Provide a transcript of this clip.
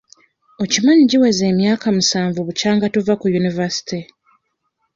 Okimanyi giweze emyaka musanvu bukyanga tuva ku yunivaasite?